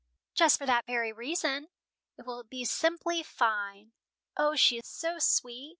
"Just for that very reason. It will be simply fine. O, she is so sweet!